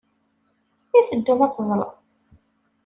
I teddum ad teẓẓlem?